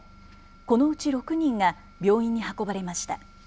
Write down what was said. このうち６人が病院に運ばれました。